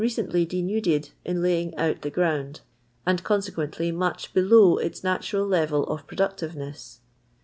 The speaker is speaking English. cently denuded in laying oijt ihu ground, and consequently much below its n.ir jr." level of productiveness.